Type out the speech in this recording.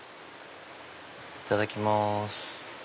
いただきます。